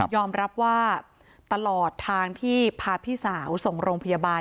รับว่าตลอดทางที่พาพี่สาวส่งโรงพยาบาล